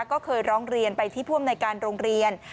ก็เคยร้องเรียนไปที่ผู้อำนวยการโรงเรียน